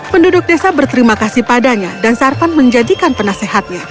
penduduk desa berterima kasih padanya dan sarpan menjadikan penasehatnya